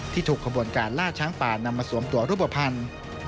ถูกขบวนการล่าช้างป่านำมาสวมตัวรูปภัณฑ์